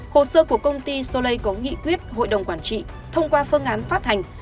hồ sơ của công ty solei có nghị quyết hội đồng quản trị thông qua phương án phát hành